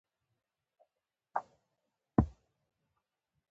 دروازه يې ځنځير کړه.